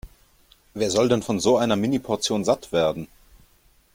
Wer soll denn von so einer Mini-Portion satt werden?